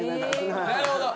なるほど。